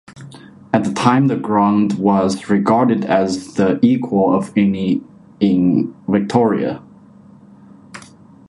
At the time the ground was regarded as the equal of any in Victoria.